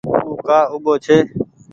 او ڪآ اُوٻو ڇي۔